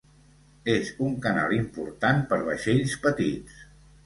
És un canal important per vaixells petits.